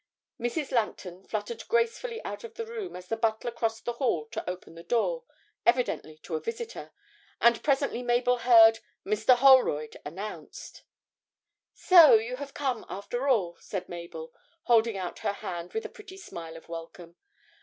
Mrs. Langton fluttered gracefully out of the room as the butler crossed the hall to open the door, evidently to a visitor, and presently Mabel heard 'Mr. Holroyd' announced. 'So you really have come after all,' said Mabel, holding out her hand with a pretty smile of welcome.